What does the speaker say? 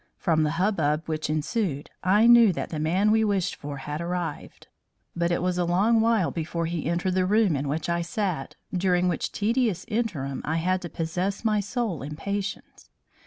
From the hubbub which ensued, I knew that the man we wished for had arrived, but it was a long while before he entered the room in which I sat, during which tedious interim I had to possess my soul in patience.